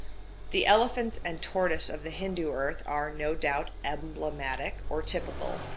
The elephant and tortoise of the Hindu earth are, no doubt, emblematic or typical, not literal.